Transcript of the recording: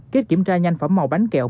kích kiểm tra nhanh phẩm màu bánh kẹo